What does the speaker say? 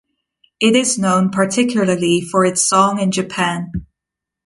It is known particularly for its song in Japan.